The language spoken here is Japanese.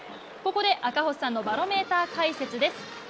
ここで赤星さんのバロメーター解説です。